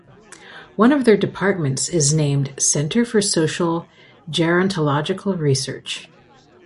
One of their departments is named "Center for Social Gerontological Research".